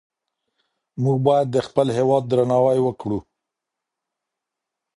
مونږ باید د خپل هیواد درناوی وکړو.